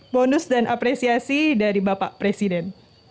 bonus dan apresiasi dari bapak presiden